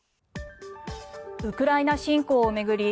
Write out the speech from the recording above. ウクライナ侵攻を巡り